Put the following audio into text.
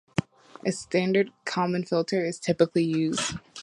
A standard Kalman filter is typically used.